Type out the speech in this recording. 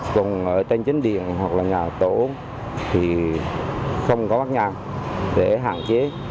còn ở trên chến điện hoặc là nhà tổ thì không có bắt nhang để hạn chế